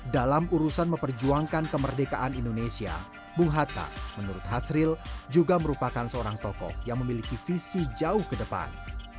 dalam urusan memperjuangkan kemerdekaan indonesia bung hatta menurut hasril juga merupakan seorang tokoh yang memiliki visi jauh ke depan